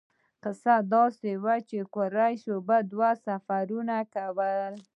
کیسه داسې وه چې قریشو به دوه سفرونه کول.